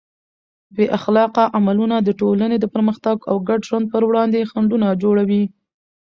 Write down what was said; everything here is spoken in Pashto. بې اخلاقه عملونه د ټولنې د پرمختګ او ګډ ژوند پر وړاندې خنډونه جوړوي.